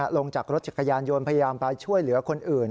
ลงจากรถจักรยานยนต์พยายามไปช่วยเหลือคนอื่น